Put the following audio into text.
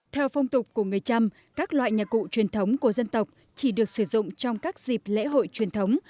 theo phong tục của người trăm các loại nhạc cụ truyền thống của dân tộc chỉ được sử dụng trong các dịp lễ hội truyền thống